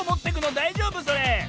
だいじょうぶそれ？